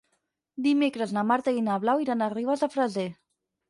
Dimecres na Marta i na Blau iran a Ribes de Freser.